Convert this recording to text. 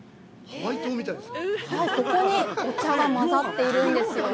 ここにお茶が混ざってるんですよね。